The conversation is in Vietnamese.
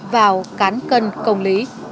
vào cán cân công an